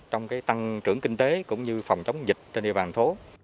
trong tăng trưởng kinh tế cũng như phòng chống dịch trên địa bàn thố